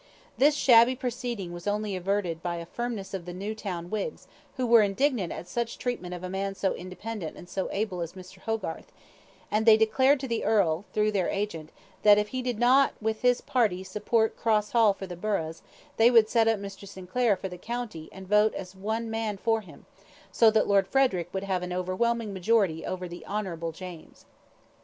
This shabby proceeding was only averted by the firmness of the Newtown Whigs, who were indignant at such treatment of a man so independent and so able as Mr. Hogarth, and they declared to the earl, through their agent, that if he did not with his party support Cross Hall for the burghs, they would set up Mr. Sinclair for the county and vote as one man for him, so that Lord Frederic would have an overwhelming majority over the Honourable James.